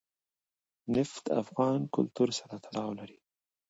نفت د افغان کلتور سره تړاو لري.